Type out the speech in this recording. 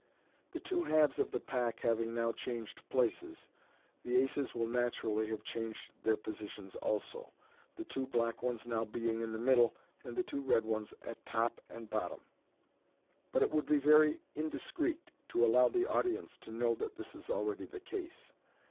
The two halves of the pack having now changed places, the aces will, naturally, have changed their positions also, the two black ones now being in the middle, and the two red ones at top and bottom j MODERN MAGIC 81 but it would be very indiscreet to allow the audience to know that this is already the case.